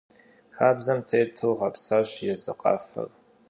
Xabzem têtu ğepsaş yêzı khafer.